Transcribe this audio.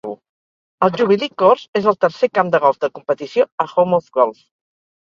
El Jubilee Course és el tercer camp de golf de competició a Home of Golf.